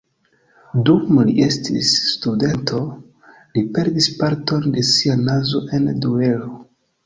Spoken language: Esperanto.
Dum li estis studento, li perdis parton de sia nazo en duelo.